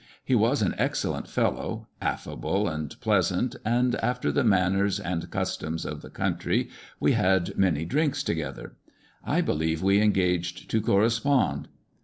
He was an excellent fellow, affable and pleasant, and, after the manners and customs of the country, we had many " drinks" together. I believe we engaged to correspond.